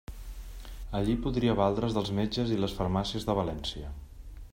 Allí podria valdre's dels metges i les farmàcies de València.